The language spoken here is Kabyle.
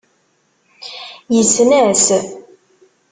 Yessen-as.